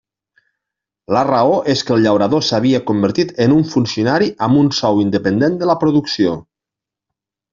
La raó és que el llaurador s'havia convertit en un funcionari amb un sou independent de la producció.